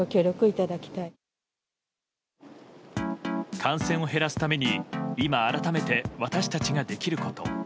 感染を減らすために今、改めて私たちができること。